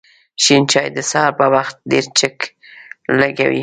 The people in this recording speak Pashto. شین چای د سهار په وخت ډېر چک لږوی